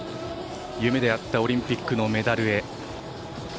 夢であったオリンピックのメダルへ。